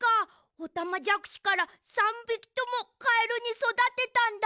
オタマジャクシから３びきともカエルにそだてたんだ！